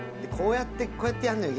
こうやってやんのよ